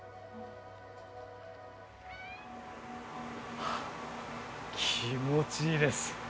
はあ気持ちいいです。